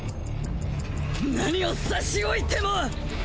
何を差し置いても！